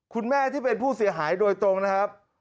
ที่เป็นผู้เสียหายโดยตรงนะครับ